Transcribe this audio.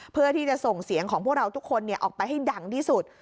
เพื่อที่จะส่งเสียงของพวกเราทุกคนออกไปให้ดังที่สุด